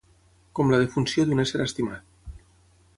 Com la defunció d'un ésser estimat.